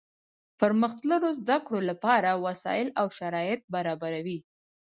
د پرمختللو زده کړو له پاره وسائل او شرایط برابروي.